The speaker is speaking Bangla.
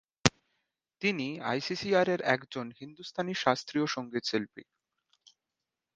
তিনি আইসিসিআর-এর একজন হিন্দুস্তানি শাস্ত্রীয় সংগীত শিল্পী।